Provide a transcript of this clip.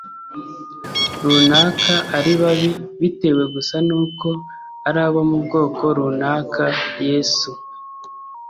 Runaka ari babi bitewe gusa n uko ari abo mu bwoko runaka yesu